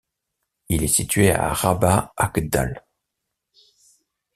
Il est situé à Rabat-Agdal.